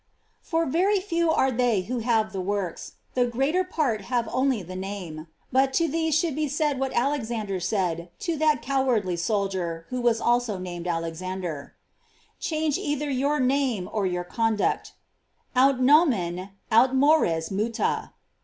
For very few are they who have the works, the greater part have only the namej but to these should be said what Alexander said to that cowardly soldier who was also named Alexander; Change either your name or your con duct: "Aut nomeu, aut mores muta."